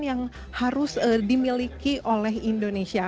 yang harus dimiliki oleh indonesia